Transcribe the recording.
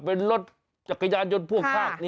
เป็นรถอักย้านยนต์ครับ